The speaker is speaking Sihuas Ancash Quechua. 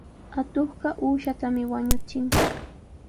Atuqqa uushatami wañuchin.